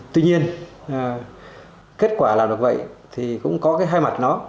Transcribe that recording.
tuy nhiên kết quả làm được vậy thì cũng có cái hai mặt nó